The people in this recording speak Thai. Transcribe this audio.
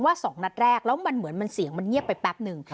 ๒นัดแรกแล้วมันเหมือนมันเสียงมันเงียบไปแป๊บนึง